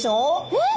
えっ？